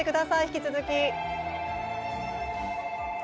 引き続き。